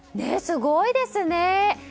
すごいですね。